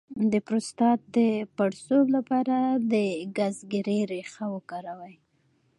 د پروستات د پړسوب لپاره د ګزګیرې ریښه وکاروئ